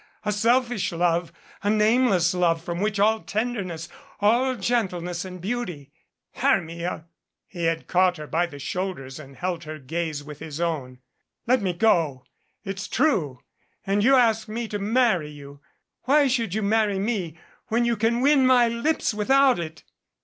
A selfish love, a nameless love from which all tenderness, all gentleness and beauty " "Hermia !" He had caught her by the shoulders and held her gaze with his own. "Let me go. It's true. And you ask me to marry you. Why should you marry me when you can win my lips without it?"